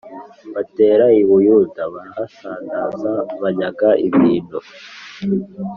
Batera i Buyuda barahasandaza banyaga ibintu